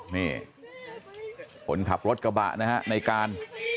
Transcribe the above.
นี่คนขับรถกระบะนะฮะในการ